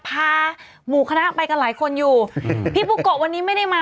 หมู่คณะไปกันหลายคนอยู่อืมพี่ปุ๊กโกะวันนี้ไม่ได้มา